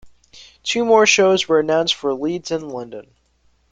Two more shows were announced for Leeds and London.